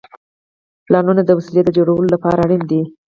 پلانونه د وسیلې د جوړولو لپاره اړین دي.